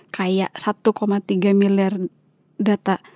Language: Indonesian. kayak satu tiga miliar data